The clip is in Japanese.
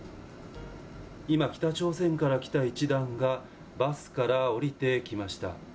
今、北朝鮮から来た一団がバスから降りてきました。